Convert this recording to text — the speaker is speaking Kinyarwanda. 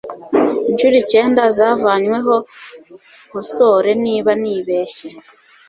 Inshuro icyenda zavanyweho Nkosore niba nibeshye